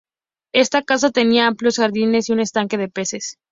Esta casa tenía amplios jardines y un estanque de peces.